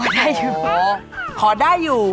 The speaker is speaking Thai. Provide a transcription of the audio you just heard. สวัสดีครับ